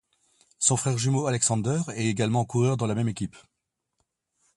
Son frère jumeau Alexander est également coureur dans la même équipe.